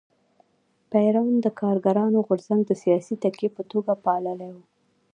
پېرون د کارګرانو غورځنګ د سیاسي تکیې په توګه پاللی و.